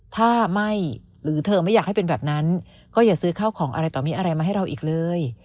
ถ้าไม่หรือเธอไม่อยากให้เป็นแบบนั้นก็อย่าซื้อข้าวของอะไรต่อมีอะไรมาให้เราอีกเลย